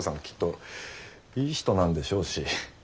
きっといい人なんでしょうし。